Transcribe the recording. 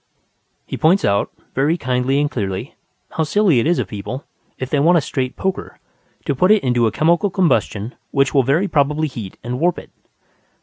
He points out, very kindly and clearly, how silly it is of people, if they want a straight poker, to put it into a chemical combustion which will very probably heat and warp it.